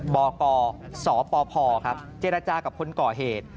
บกสปพครับเจรจากับคนก่อเหตุ